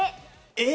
え？